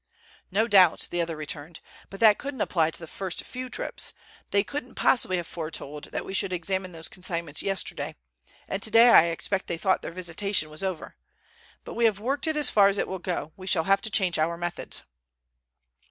"No doubt," the other returned. "But that couldn't apply to the first few trips. They couldn't possibly have foretold that we should examine those consignments yesterday, and today I expect they thought their visitation was over. But we have worked it as far as it will go. We shall have to change our methods."